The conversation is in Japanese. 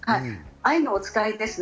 愛のお使いですね。